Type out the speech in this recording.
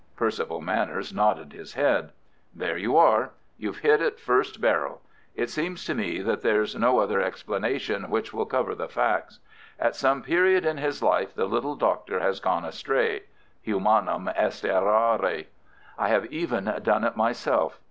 Percival Manners nodded his head. "There you are! You've hit it first barrel. It seems to me that there's no other explanation which will cover the facts. At some period in his life the little Doctor has gone astray. Humanum est errare. I have even done it myself.